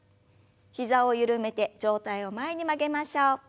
膝を緩めて上体を前に曲げましょう。